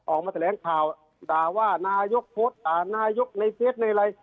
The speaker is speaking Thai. ออกมาแถลงข่าวด่าว่านายกโพสต์ด่านายกในเฟสในอะไร